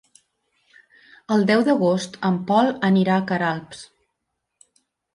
El deu d'agost en Pol anirà a Queralbs.